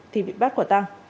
thì bị bắt quả tăng